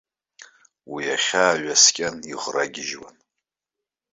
Уи ахьаа ҩаскьаны иӷрагьежьуан.